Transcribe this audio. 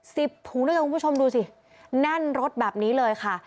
ถุงด้วยกันคุณผู้ชมดูสิแน่นรถแบบนี้เลยค่ะ